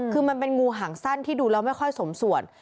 คือมันเป็นงูหางสั้นที่ดูแล้วไม่ค่อยสมส่วน